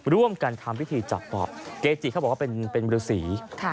ร่วมกันทำพิธีจับปอบเกจิเขาบอกว่าเป็นฤษี